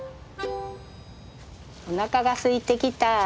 おなかがすいてきた。